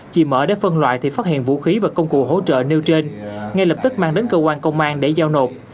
chị mở để phân loại thì phát hiện vũ khí và công cụ hỗ trợ nêu trên ngay lập tức mang đến cơ quan công an để giao nộp